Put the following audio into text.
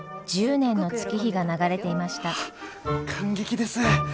感激です！